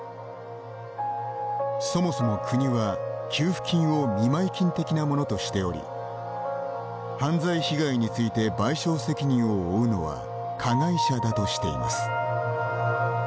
そもそも国は給付金を見舞い金的なものとしており犯罪被害について賠償責任を負うのは加害者だとしています。